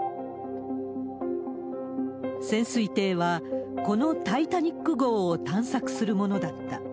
潜水艇は、このタイタニック号を探索するものだった。